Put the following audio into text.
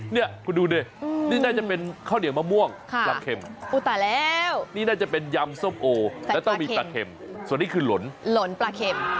เนี่ยคุณดูดินี่น่าจะเป็นข้าวเหนียวมะม่วงปลาเข็มตายแล้วนี่น่าจะเป็นยำส้มโอแล้วต้องมีปลาเข็มส่วนนี้คือหล่นหลนปลาเข็ม